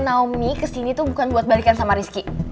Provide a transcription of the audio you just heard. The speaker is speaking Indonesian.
naomi kesini tuh bukan buat balikan sama rizky